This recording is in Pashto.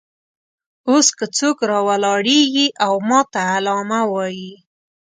اوس که څوک راولاړېږي او ماته علامه وایي.